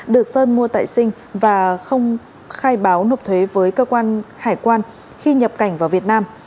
được sơn mua tại sinh và không khai báo nộp thuế với cơ quan hải quan khi nhập cảnh vào việt nam